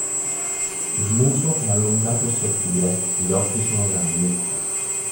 Il muso è allungato e sottile, gli occhi sono grandi.